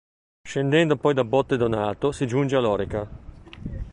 Scendendo poi da Botte Donato, si giunge a Lorica.